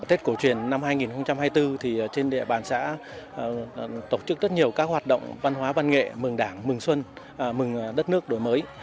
tết cổ truyền năm hai nghìn hai mươi bốn trên địa bàn xã tổ chức rất nhiều các hoạt động văn hóa văn nghệ mừng đảng mừng xuân mừng đất nước đổi mới